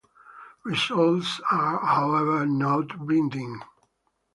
Results are however not binding.